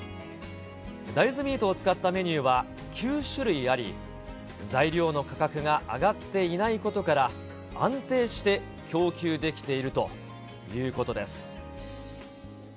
大豆ミートを使ったメニューは９種類あり、材料の価格が上がっていないことから、安定して供給できているということです。